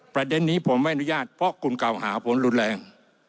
ประเด็นนี้ผมไม่อนุญาตเพราะคุณกล่าวหาผลรุนแรง